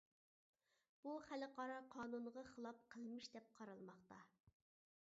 بۇ خەلقئارا قانۇنغا خىلاپ قىلمىش دەپ قارالماقتا.